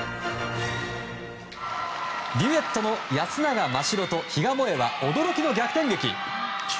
デュエットの、安永真白と比嘉もえは驚きの逆転劇。